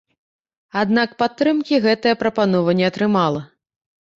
Аднак падтрымкі гэтая прапанова не атрымала.